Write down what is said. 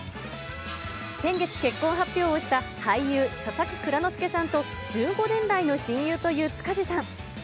先月、結婚発表をした俳優、佐々木蔵之介さんと１５年来の親友という塚地さん。